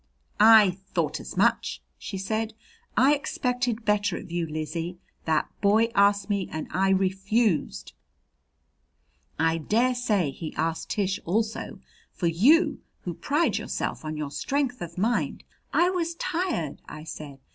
"I thought as much!" she said. "I expected better of you, Lizzie. That boy asked me and I refused. I dare say he asked Tish also. For you, who pride yourself on your strength of mind " "I was tired," I said.